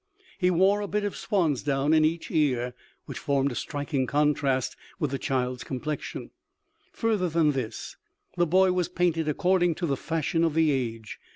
He wore a bit of swan's down in each ear, which formed a striking contrast with the child's complexion. Further than this, the boy was painted according to the fashion of the age.